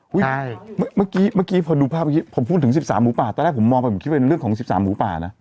คือเมื่อกี้พอพูดถึง๑๓หมูป่าตอนแรกคิดเป็นเรื่องของ๑๓หมูป่านะ